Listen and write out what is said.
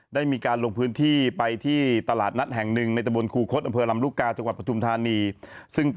ได้มีการลงพื้นที่ไปที่ตลาดนั้นแห่งหนึ่ง